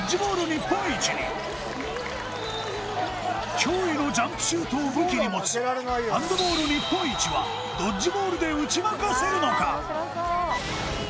日本一に驚異のジャンプシュートを武器に持つハンドボール日本一はドッジボールで打ち負かせるのか？